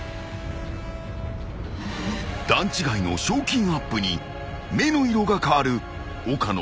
［段違いの賞金アップに目の色が変わる岡野。